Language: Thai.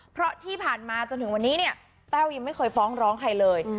เพราะที่ผ่านมาจนถึงวันนี้เนี่ยแต้วยังไม่เคยฟ้องร้องใครเลย